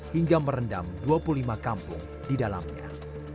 hingga merendam dua puluh lima kampung di dalamnya